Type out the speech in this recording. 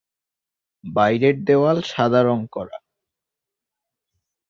বাইরের দেওয়াল সাদা রং করা।